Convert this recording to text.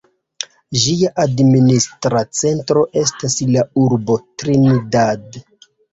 Ĝia administra centro estas la urbo Trinidad.